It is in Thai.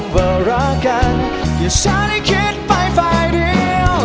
ว่ารักกันที่ฉันได้คิดไปฝ่ายเดียว